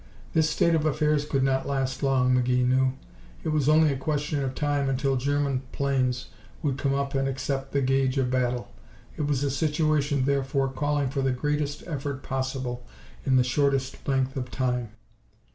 This state of affairs could not last long, McGee knew. It was only a question of time until German planes would come up and accept the gage of battle. It was a situation, therefore, calling for the greatest effort possible in the shortest length of time.